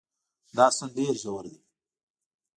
دا سیند ډېر ژور دی.